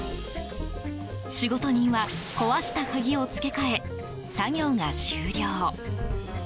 仕事人は、壊した鍵を付け替え作業が終了。